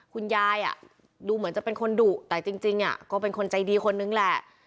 คุณยายดูเหมือนจะเป็นคนดุแต่จริงก็เป็นคนใจดีคนนึงแหละ